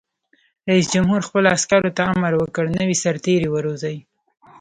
رئیس جمهور خپلو عسکرو ته امر وکړ؛ نوي سرتېري وروزیئ!